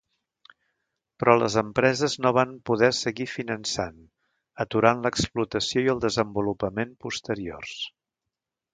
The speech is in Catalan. Però les empreses no van poder seguir finançant, aturant l'exploració i el desenvolupament posteriors.